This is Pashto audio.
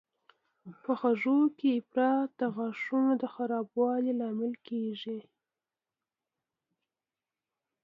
په خوږو کې افراط د غاښونو د خرابوالي لامل کېږي.